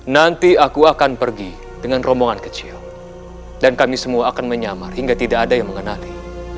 nanti aku akan pergi dengan rombongan kecil dan kami semua akan menyamar hingga tidak ada yang mengenali